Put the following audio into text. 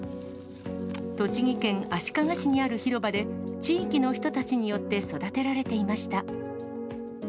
栃木県足利市にある広場で、地域の人たちによって育てられていました。